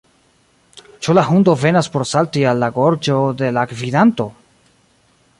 Ĉu la hundo venas por salti al la gorĝo de la gvidanto?